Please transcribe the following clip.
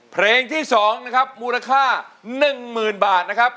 เพลงที่๒นะครับมูลค่า๑๐๐๐บาทนะครับ